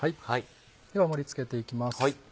では盛り付けていきます。